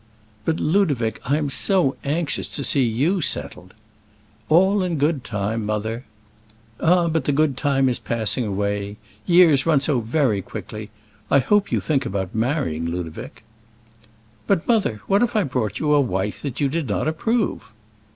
"But, Ludovic, I am so anxious to see you settled." "All in good time, mother!" "Ah, but the good time is passing away. Years run so very quickly. I hope you think about marrying, Ludovic." "But, mother, what if I brought you a wife that you did not approve?"